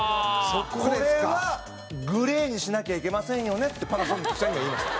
「これはグレーにしなきゃいけませんよね」ってパナソニックさんには言いました。